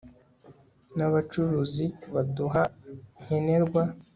n'abacuruzi baduha nkenerwa